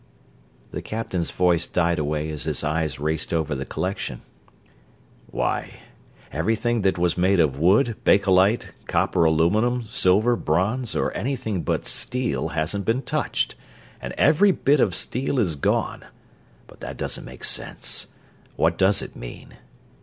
The captain's voice died away as his eyes raced over the collection. "Why, everything that was made of wood, bakelite, copper aluminum, silver, bronze, or anything but steel hasn't been touched, and every bit of steel is gone. But that doesn't make sense what does it mean?"